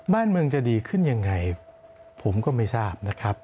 บ้านเมืองจะดีขึ้นยังไงผมก็ไม่ทราบนะครับ